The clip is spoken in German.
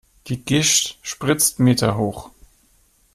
Die Gischt spritzt meterhoch.